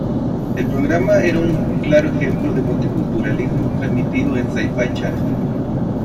El programa era un claro ejemplo de multiculturalismo transmitiendo en Sci-Fi Channel.